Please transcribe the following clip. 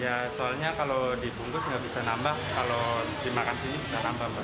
ya soalnya kalau dibungkus nggak bisa nambah kalau dimakan sini bisa nambah